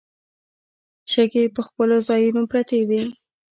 شګې پر خپلو ځايونو پرتې وې.